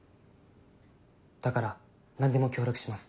だから何でも協力します。